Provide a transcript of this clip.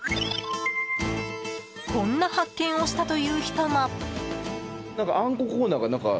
こんな発見をしたという人も。